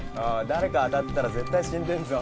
誰かに当たったら絶対死んでるぞ。